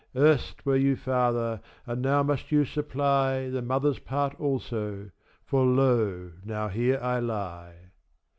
Erst were you father, and now must you supply8 The mother's part also, for lo now here I lie.